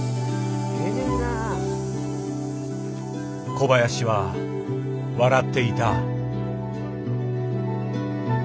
小林は笑っていた。